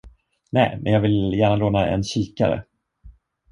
Nej, men jag vill gärna låna en kikare.